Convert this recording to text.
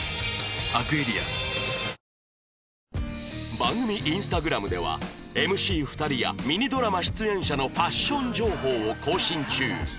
番組 Ｉｎｓｔａｇｒａｍ では ＭＣ２ 人やミニドラマ出演者のファッション情報を更新中